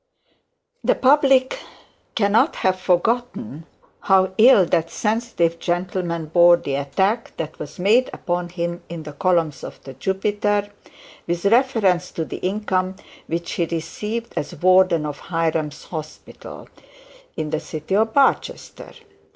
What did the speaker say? The public cannot have forgotten how ill that sensitive gentleman bore the attack that was made upon him in the columns of the Jupiter, with reference to the income which he received as warden of Hiram's Hospital, in the city of Barchester.